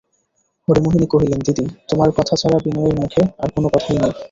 হরিমোহিনী কহিলেন, দিদি, তোমার কথা ছাড়া বিনয়ের মুখে আর কোনো কথা নেই।